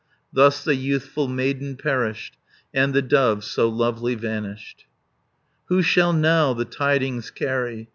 370 Thus the youthful maiden perished, And the dove so lovely vanished. Who shall now the tidings carry.